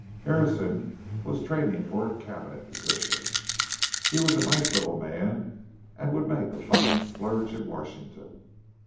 Harrison was training for a cabinet position. He was a nice little man, and would make a fine splurge in Washington.